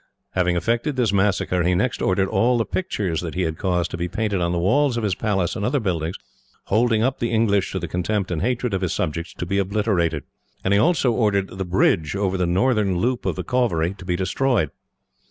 Having effected this massacre, he next ordered all the pictures that he had caused to be painted on the walls of his palace and other buildings, holding up the English to the contempt and hatred of his subjects, to be obliterated; and he also ordered the bridge over the northern loop of the Cauvery to be destroyed.